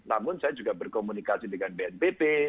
namun saya juga berkomunikasi dengan bnpb